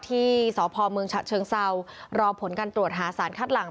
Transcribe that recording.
ที่สพเมืองฉะเชิงเซารอผลการตรวจหาสารคัดหลัง